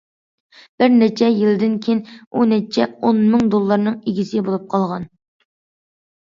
بىر نەچچە يىلدىن كېيىن، ئۇ نەچچە ئون مىڭ دوللارنىڭ ئىگىسى بولۇپ قالغان.